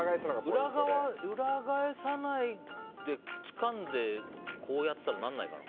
裏返さないでつかんでこうやったらならないかな？